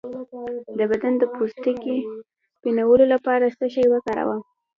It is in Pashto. د بدن د پوستکي د سپینولو لپاره څه شی وکاروم؟